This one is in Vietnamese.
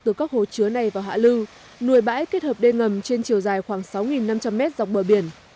từ các hồ chứa này vào hạ lưu bãi kết hợp đê ngầm trên chiều dài khoảng sáu năm trăm linh m dọc bờ biển